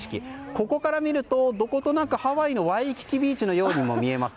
ここから見ると、どことなくハワイのワイキキビーチのようにも見えます。